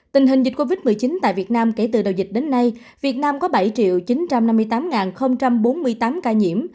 tình hình dịch covid một mươi chín tại việt nam kể từ đầu dịch đến nay việt nam có bảy chín trăm năm mươi tám bốn mươi tám ca nhiễm